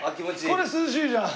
これ涼しいじゃん！